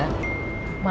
tapi mama ini perempuan